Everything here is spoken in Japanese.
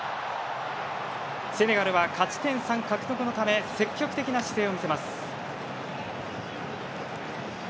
セネガルは勝ち点３獲得のため積極的な姿勢を見せます。